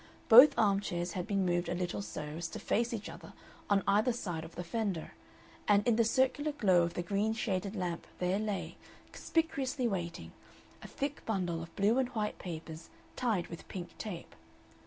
Both arm chairs had been moved a little so as to face each other on either side of the fender, and in the circular glow of the green shaded lamp there lay, conspicuously waiting, a thick bundle of blue and white papers tied with pink tape.